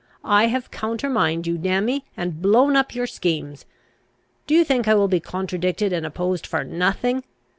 I have countermined you, damn me! and blown up your schemes. Do you think I will be contradicted and opposed for nothing?